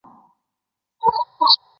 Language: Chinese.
马正秀文革受害者。